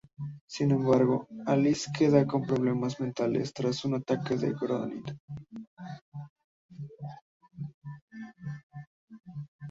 Sin embargo Alice queda con problemas mentales tras un ataque de un gorila.